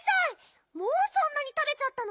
もうそんなにたべちゃったの？